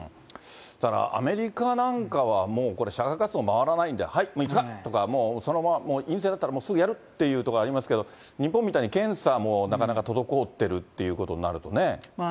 だからアメリカなんかはもう、これ、社会活動回らないんで、はい、もう６日とか、そのままもう陰性だったらすぐやるっていうところもありますけど、日本みたいに検査もなかなか滞ってるということになるとね。